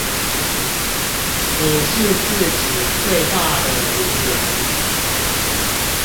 你是自己最大的敵人